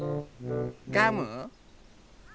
ガム？